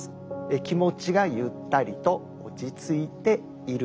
「気持ちがゆったりと落ち着いている」。